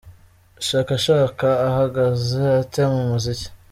Chaka Chaka ahagaze ate mu muziki?.